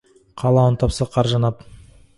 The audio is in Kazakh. Қалауын тапса, қар жанады.